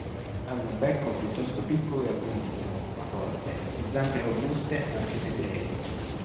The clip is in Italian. Hanno becco piuttosto piccolo e appuntito, ma forte, e zampe robuste anche se brevi.